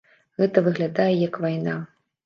Гэта выглядае як вайна.